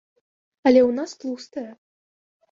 Але ў нас тлустае.